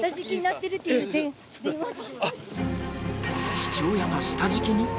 父親が下敷きに！？